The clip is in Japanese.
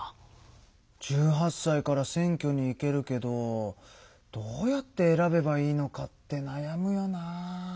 １８さいから選挙に行けるけどどうやって選べばいいのかってなやむよな。